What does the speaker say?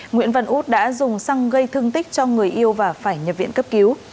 nguyễn văn út đã dùng xăng gây thương tích cho người yêu và phải nhập viện cấp cứu